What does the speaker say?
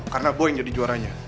karena boy yang jadi juaranya